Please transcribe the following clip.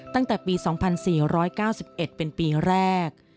ตั้งแต่ปี๒๔๙๑เป็นปีแรก